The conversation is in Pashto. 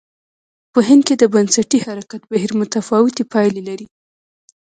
په هند کې د بنسټي حرکت بهیر متفاوتې پایلې لرلې.